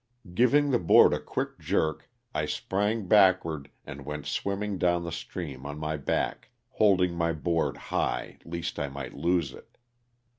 Giving the board a quick jerk I sprang back ward and went swimming down the stream on my back, holding my board high least I might lose it.